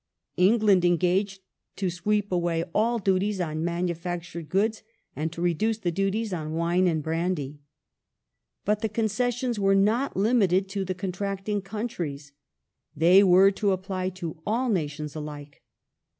England engaged to sweep away all duties on manufactured goods, and to reduce the duties on wine and brandy. But the concessions were not limited to the contracting countries : they were to apply to all nations alike.